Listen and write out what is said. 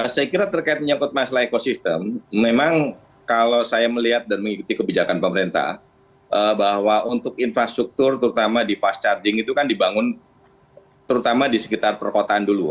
saya kira terkait menyangkut masalah ekosistem memang kalau saya melihat dan mengikuti kebijakan pemerintah bahwa untuk infrastruktur terutama di fast charging itu kan dibangun terutama di sekitar perkotaan dulu